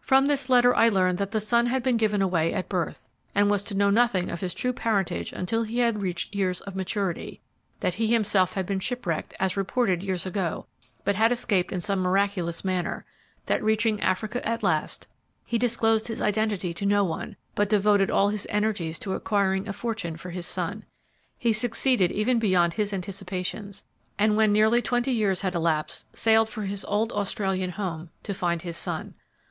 "From this letter I learned that the son had been given away at birth, and was to know nothing of his true parentage until he had reached years of maturity; that he himself had been shipwrecked, as reported years ago, but had escaped in some miraculous manner; that reaching Africa at last, he disclosed his identity to no one, but devoted all his energies to acquiring a fortune for his son. He succeeded even beyond his anticipations, and when nearly twenty years had elapsed, sailed for his old Australian home, to find his son.